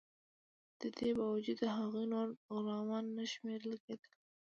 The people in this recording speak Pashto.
د دې باوجود هغوی نور غلامان نه شمیرل کیدل.